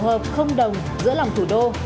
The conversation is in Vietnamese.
tổ hợp không đồng giữa lòng thủ đô